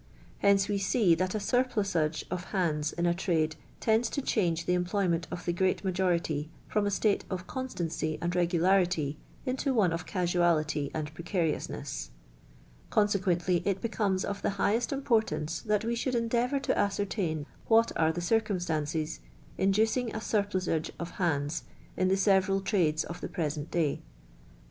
Hence we see that a surplusage of hands in a trade tends to change the employment of the great majority from a state of constancy and regularity into one of casualty and precariousness. Consequently it becomes of the highest importance that we should endeavour to ascertiin what are the circumstances inducing a surplusage of hands in the several trades of the present duy.